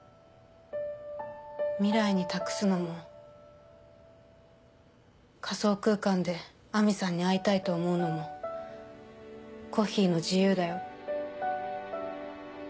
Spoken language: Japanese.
未来に託すのも仮想空間で亜美さんに会いたいと思うのもコッヒーの自由だよ。